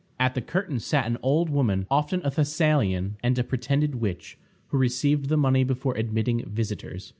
At the curtain sat an old woman, often a Thessalian and a pretended witch, who received the money before admitting visitors.